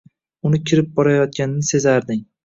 Uni kirib borayotganini sezarding.